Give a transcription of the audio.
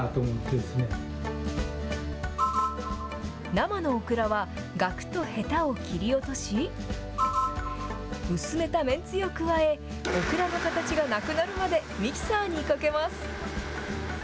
生のオクラは、がくとへたを切り落とし、薄めためんつゆを加え、オクラの形がなくなるまで、ミキサーにかけます。